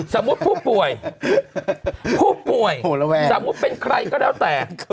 สมมุติผู้ป่วยผู้ป่วยสมมุติเป็นใครก็แล้วแต่